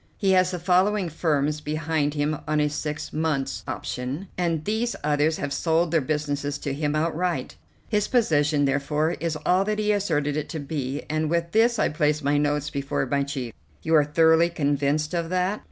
He has the following firms behind him on a six months' option, and these others have sold their businesses to him outright. His position, therefore, is all that he asserted it to be," and with this I placed my notes before my chief. "You are thoroughly convinced of that?"